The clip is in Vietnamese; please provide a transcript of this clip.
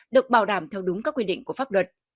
được bảo đảm theo đúng các quy định của pháp luật